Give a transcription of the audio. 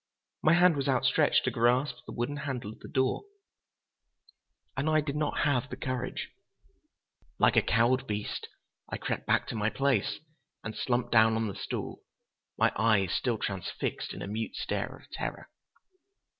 My hand was outstretched to grasp the wooden handle of the door. And—I did not have the courage. Like a cowed beast I crept back to my place and slumped down on the stool, my eyes still transfixed in a mute stare of terror.